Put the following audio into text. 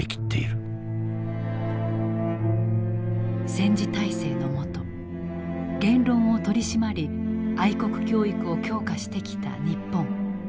戦時体制のもと言論を取り締まり愛国教育を強化してきた日本。